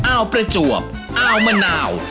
อ้าวประจวบอ้าวมะนาว